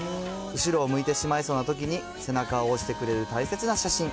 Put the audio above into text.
後ろを向いてしまいそうなときに、背中を押してくれる大切な写真。